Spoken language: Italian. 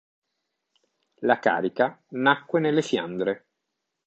La carica nacque nelle Fiandre.